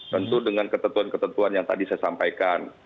tentu dengan ketentuan ketentuan yang tadi saya sampaikan